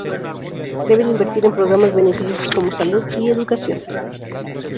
Deben invertir en programas beneficiosos como salud y educación.